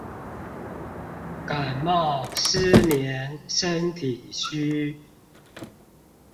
感冒、失眠、身體虛